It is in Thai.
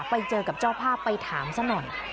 ไปเจอกับเจ้าภาพไปถามซะหน่อย